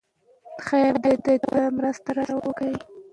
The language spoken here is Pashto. کرکه د خطر احساس رامنځته کوي.